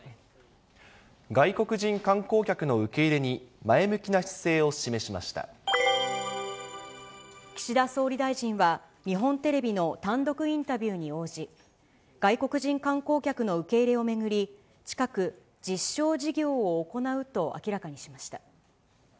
外国人観光客の受け入れに前岸田総理大臣は、日本テレビの単独インタビューに応じ、外国人観光客の受け入れを巡り、近く、実証事業を行うと明らかにしました。